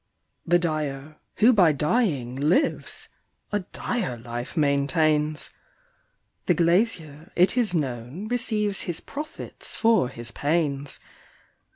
The dyer, who by dying lives, a dire life maintains; The glazier, it is known, receives his profits for his panes.